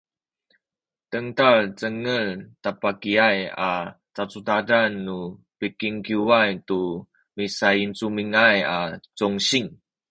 dengtal Cengce tabakiaya a cacudadan nu pikingkiwan tu misayincumincuay a congsin